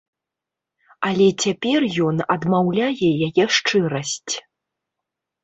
Але цяпер ён адмаўляе яе шчырасць.